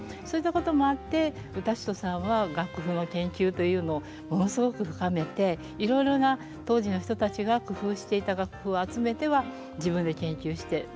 そういったこともあって雅楽之都さんは楽譜の研究というのをものすごく深めていろいろな当時の人たちが工夫していた楽譜を集めては自分で研究して。